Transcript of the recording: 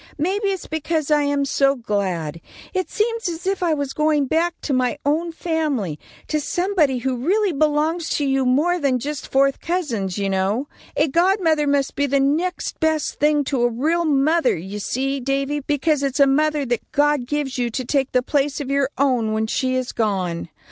Maybe it's because I am so glad. It seems as if I was going back to my own family; to somebody who really belongs to you more than just fourth cousins, you know. A godmother must be the next best thing to a real mother, you see, Davy, because it's a mother that God gives you to take the place of your own, when she is gone.